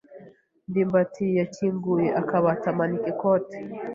ndimbati yakinguye akabati amanika ikote.